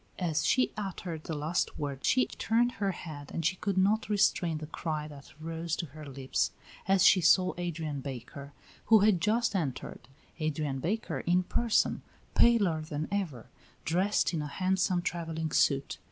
As she uttered the last word she turned her head and she could not restrain the cry that rose to her lips as she saw Adrian Baker, who had just entered Adrian Baker, in person, paler than ever, dressed in a handsome travelling suit.